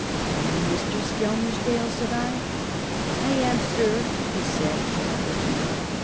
"Are you Mr. Skelmersdale?" said I. "I am, sir," he said, without looking up.